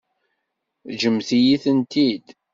Ǧǧemt-iyi-tent-id.